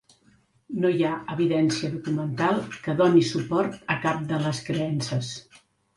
No hi ha evidència documental que doni suport a cap de les creences.